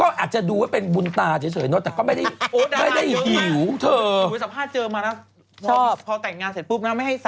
สภาพเจอมาแล้วพอแต่งงานเสร็จปุ๊บนะไม่ให้สามีแล้วไง